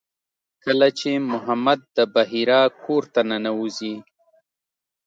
کله چې محمد د بحیرا کور ته ننوځي.